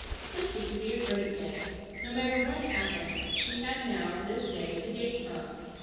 This was to be a great day. No matter what happened she had now this day to date from.